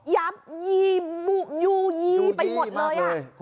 ยับยีบุยูยีไปหมดเลย